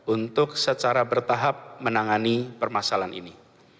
untuk secara bertahap menangani permasalahan ini